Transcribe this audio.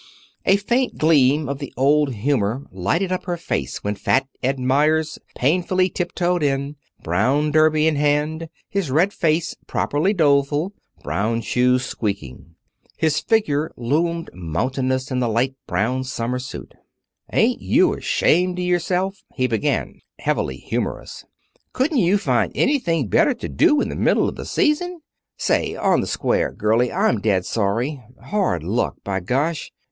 A faint gleam of the old humor lighted up her face when Fat Ed Meyers painfully tip toed in, brown derby in hand, his red face properly doleful, brown shoes squeaking. His figure loomed mountainous in a light brown summer suit. "Ain't you ashamed of yourself?" he began, heavily humorous. "Couldn't you find anything better to do in the middle of the season? Say, on the square, girlie, I'm dead sorry. Hard luck, by gosh!